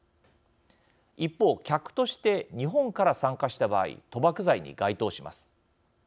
一方、客として日本から参加した場合賭博罪に該当します。